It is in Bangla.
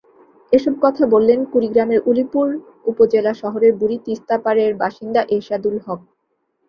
এসব কথা বললেন কুড়িগ্রামের উলিপুর উপজেলা শহরের বুড়ি তিস্তাপাড়ের বাসিন্দা এরশাদুল হক।